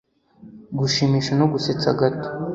Gushimisha no gusetsa gato